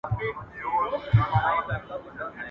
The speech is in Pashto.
چي هم ما هم مي ټبر ته یې منلی.